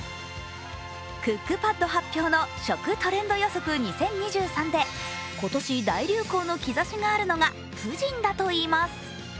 クックパッド発表の食トレンド予測２０２３で今年大流行の兆しがあるのがプヂンだといいます。